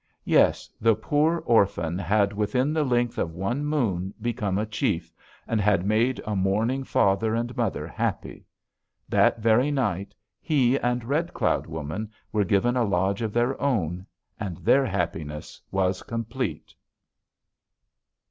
Yes, the poor orphan had within the length of one moon become a chief, and had made a mourning father and mother happy. That very night he and Red Cloud Woman were given a lodge of their own, and their happiness was complete."